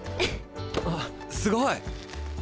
あっすごい！